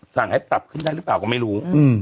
สั่งให้ปรับขึ้นได้หรือเปล่าก็ไม่รู้